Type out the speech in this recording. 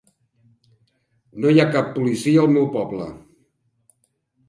No hi ha cap policia al meu poble.